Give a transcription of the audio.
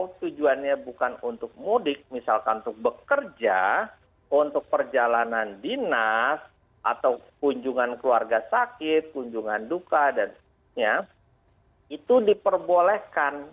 kalau tujuannya bukan untuk mudik misalkan untuk bekerja untuk perjalanan dinas atau kunjungan keluarga sakit kunjungan duka dan sebagainya itu diperbolehkan